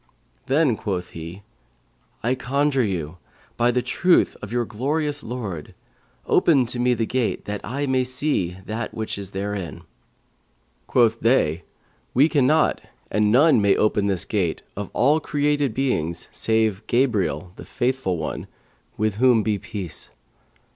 Then quoth he, 'I conjure you, by the truth of your glorious Lord, open to me the gate, that I may see that which is therein.' Quoth they, 'We cannot, and none may open this gate, of all created beings save Gabriel, the Faithful One, with whom be peace!'